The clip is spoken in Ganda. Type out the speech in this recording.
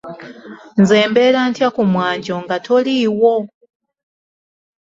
Nze mbeera ntya ku mwanjo nga toliiwo?